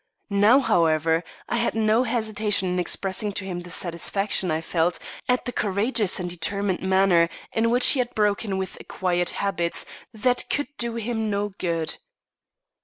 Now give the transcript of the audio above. Now, however, I had no hesitation in expressing to him the satisfaction I felt at the courageous and determined manner in which he had broken with acquired habits that could do him no good.